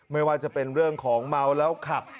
ไม่ว่าจะเป็นเรื่องของเมาแล้วขับ